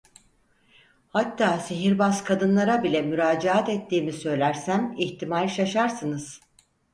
Hatta sihirbaz kadınlara bile müracaat ettiğimi söylersem ihtimal şaşarsınız…